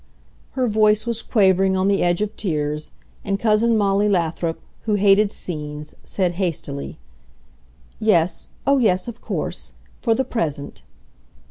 Her voice was quavering on the edge of tears, and Cousin Molly Lathrop, who hated scenes, said hastily, "Yes, oh, yes, of course. For the present